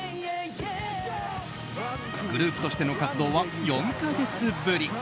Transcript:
グループとしての活動は４か月ぶり。